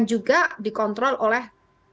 dan juga dikontrol oleh batuan